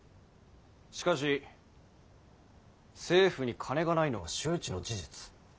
しかし政府に金がないのは周知の事実。